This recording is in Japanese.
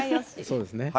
そうですね。